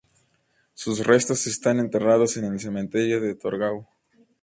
Sus restos están enterrados en un cementerio en Torgau.